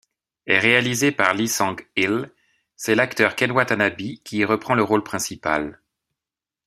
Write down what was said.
Réalisé par Lee Sang-il, c'est l'acteur Ken Watanabe qui y reprend le rôle principal.